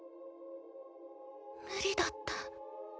無理だった。